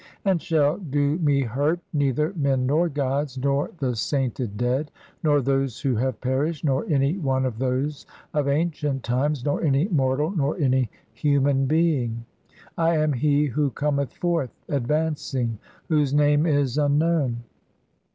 And shall do me hurt neither "men, nor gods, (12) nor the sainted dead, nor those who have "perished, nor any one of those of ancient times, nor any mortal, "nor any human being. I (i3) am he who cometh forth, ad vancing, whose name is unknown.